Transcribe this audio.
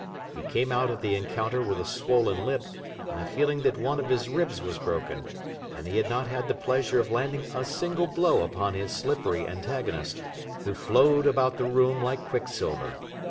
He came out of the encounter with a swollen lip and a feeling that one of his ribs was broken, and he had not had the pleasure of landing a single blow upon his slippery antagonist, who flowed about the room like quicksilver.